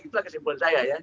itulah kesimpulan saya ya